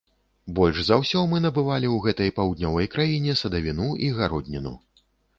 Больш за ўсё мы набывалі ў гэтай паўднёвай краіне садавіну і гародніну.